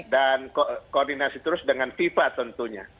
dan koordinasi terus dengan fifa tentunya